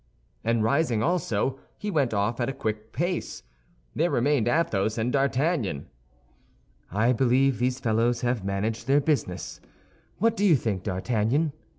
And rising also, he went off at a quick pace. There remained Athos and D'Artagnan. "I believe these fellows have managed their business. What do you think, D'Artagnan?"